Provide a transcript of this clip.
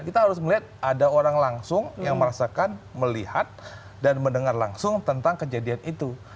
kita harus melihat ada orang langsung yang merasakan melihat dan mendengar langsung tentang kejadian itu